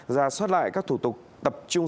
ra soát lại các thủ tục tập trung